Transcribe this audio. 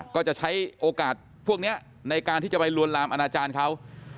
ก็จะใช้โอกาสพวกนี้ในการที่จะไปลวนลามอนาจารย์เขา